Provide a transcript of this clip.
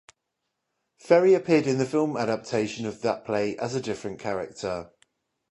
Ferri appeared in the film adaptation of that play as a different character.